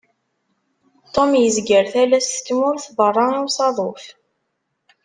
Tom yezger talast n tmurt berra i usaḍuf.